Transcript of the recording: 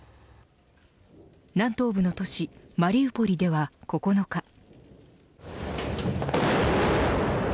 南東部の都市マリウポリでは９日。